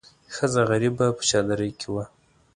ښځه غریبه په چادرۍ کې وه.